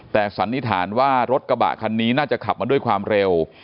แต่สันนิษฐานว่ารถกระบะคันนี้น่าจะขับมาด้วยความเร็ว